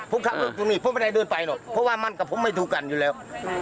ผมขับรถตรงนี้ผมไม่ได้เดินไปหรอกเพราะว่ามันกับผมไม่ถูกกันอยู่แล้ว